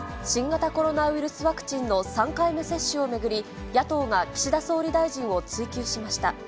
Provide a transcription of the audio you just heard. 新型コロナウイルスワクチンの３回目接種を巡り、野党が岸田総理大臣を追及しました。